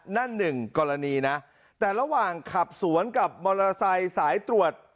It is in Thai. นั่นหนึ่งกรณีนะแต่ระหว่างขับสวนกับมอเตอร์ไซค์สายตรวจ